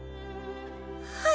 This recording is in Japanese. はい。